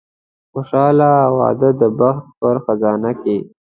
خوشاله واده د بخت په خزانه کې.